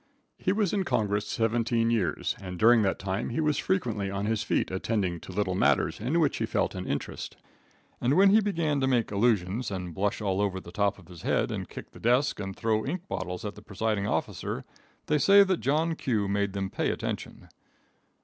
He was in Congress seventeen years, and during that time he was frequently on his feet attending to little matters in which he felt an interest, and when he began to make allusions, and blush all over the top of his head, and kick the desk, and throw ink bottles at the presiding officer, they say that John Q. made them pay attention.